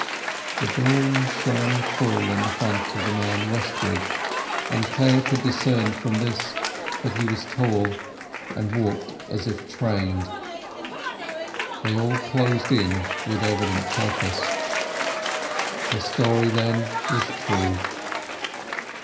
The dawn shone full on the front of the man westward, and Clare could discern from this that he was tall, and walked as if trained. They all closed in with evident purpose. Her story then was true!